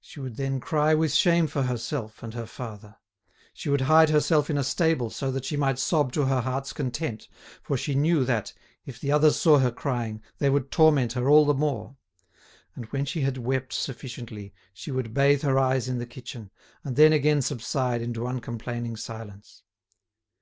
She would then cry with shame for herself and her father. She would hide herself in a stable so that she might sob to her heart's content, for she knew that, if the others saw her crying, they would torment her all the more. And when she had wept sufficiently, she would bathe her eyes in the kitchen, and then again subside into uncomplaining silence.